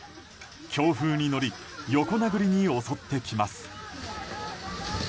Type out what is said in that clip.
強風に乗り横殴りに襲ってきます。